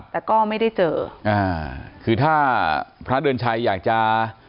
แต่ก็ไม่ได้เจออ่าคือถ้าพระเดือนชัยอยากจะ